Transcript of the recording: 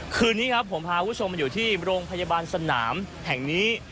คืนนี้ครับผมพาคุณผู้ชมมาอยู่ที่โรงพยาบาลสนามแห่งนี้